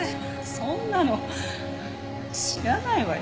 そんなの知らないわよ。